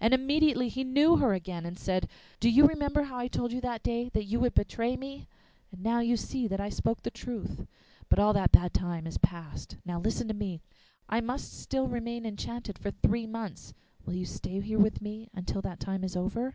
And immediately he knew her again, and said: 'Do you remember how I told you that day that you would betray me? Now you see that I spoke the truth. But all that bad time is past. Now listen to me: I must still remain enchanted for three months. Will you stay here with me till that time is over?